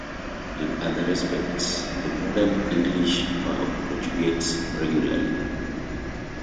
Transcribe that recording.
In other respects, the modern English verb conjugates regularly.